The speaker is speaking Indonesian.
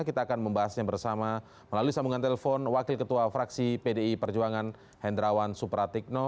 kita akan membahasnya bersama melalui sambungan telepon wakil ketua fraksi pdi perjuangan hendrawan supratikno